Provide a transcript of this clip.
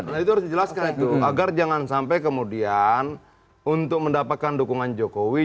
nah itu harus dijelaskan itu agar jangan sampai kemudian untuk mendapatkan dukungan jokowi